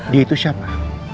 dia itu siapa